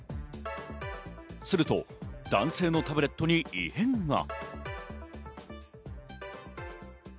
すると男性のタブレットに異変が。